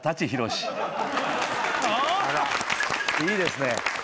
・いいですね。